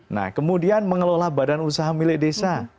nah kemudian mengelola badan usaha milik desa